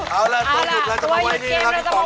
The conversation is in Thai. เอาล่ะตัวหยุดเราจะมาไว้นี่ค่ะพี่ปอง